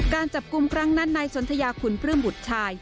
การจับกลุ่มครั้งนั้นนายสนทยาคุณปลื้มบุตรชาย